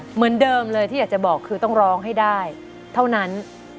เหมือนเดิมเลยที่อยากจะบอกคือต้องร้องให้ได้เท่านั้น